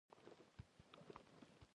د نجونو تعلیم د ناروغیو مخنیوی کوي.